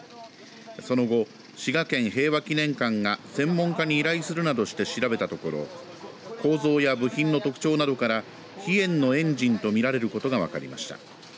その後、滋賀県平和祈念館が専門家に依頼するなどして調べたところ構造や部品の特徴などから飛燕のエンジンと見られることが分かりました。